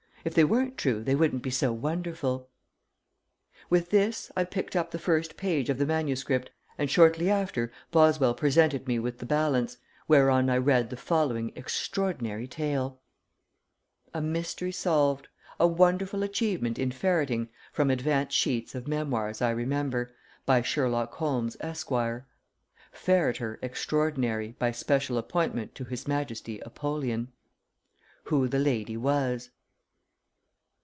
If they weren't true they wouldn't be so wonderful." With this I picked up the first page of the manuscript and shortly after Boswell presented me with the balance, whereon I read the following extraordinary tale: A MYSTERY SOLVED A WONDERFUL ACHIEVEMENT IN FERRETING From Advance Sheets of MEMOIRS I REMEMBER BY SHERLOCK HOLMES, ESQ. Ferreter Extraordinary by Special Appointment to his Majesty Apollyon WHO THE LADY WAS!